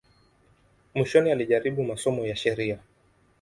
Mwishoni alijaribu masomo ya sheria.